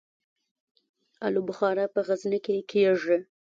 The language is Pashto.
الو بخارا په غزني کې کیږي